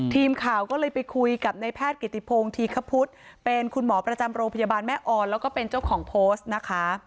ทีมข่าวก็เลยไปคุยกับนายแพทย์กิติพงศ์ธีคพุทธเป็นคุณหมอประจำโรงพยาบาลแม่ออนแล้วก็เป็นเจ้าของโพสต์นะคะ